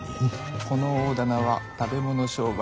この大店は食べ物商売。